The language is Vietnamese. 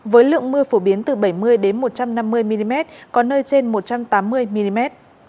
với lượng mưa phổ biến từ bảy mươi một trăm năm mươi mm có nơi trên một trăm tám mươi mm